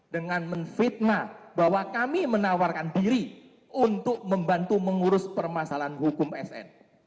dengan menfitnah bahwa kami menawarkan diri untuk membantu mengurus permasalahan hukum sn